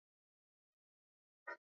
Malkia alivishwa taji lake.